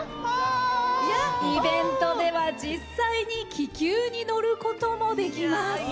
イベントでは実際に気球に乗ることもできます。